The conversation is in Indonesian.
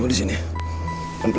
saya pengen enjoy sebentar